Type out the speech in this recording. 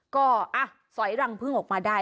ก็สอยรังพึ่งออกมาได้